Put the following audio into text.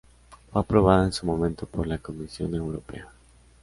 Fue aprobada en su momento por la Comisión Europea.